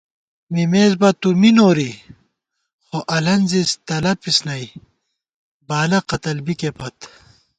مِمېس بہ تُو می نوری خو الَنزِس تلَپِس نئ، بالہ قتل بِکےپت